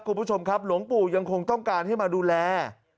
คุณผู้ชมครับหลวงปู่ยังคงต้องการให้มาดูแล